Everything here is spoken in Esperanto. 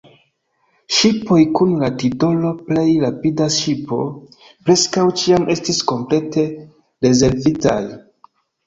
Ŝipoj kun la titolo "plej rapida ŝipo" preskaŭ ĉiam estis komplete rezervitaj.